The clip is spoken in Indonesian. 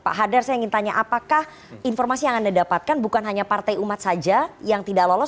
pak hadar saya ingin tanya apakah informasi yang anda dapatkan bukan hanya partai umat saja yang tidak lolos